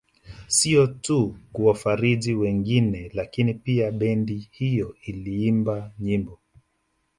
Sio tu kuwafariji wengine lakini pia bendi hiyo iliimba nyimbo